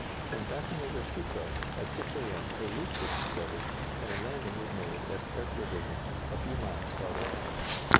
When passing over Stuttgart, at 6 A. M., a leak was discovered, and a landing was made at Echterdingen, a few miles farther on.